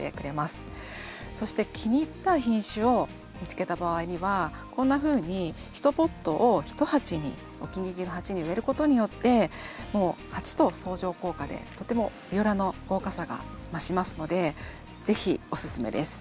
そして気に入った品種を見つけた場合にはこんなふうにお気に入りの鉢に植えることによってもう鉢と相乗効果でとてもビオラの豪華さが増しますので是非オススメです。